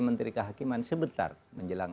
menteri kehakiman sebentar menjelang